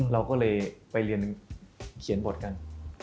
เราก็เลยไปเรียนเขียนบทกัน